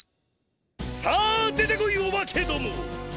さあ出てこいオバケども！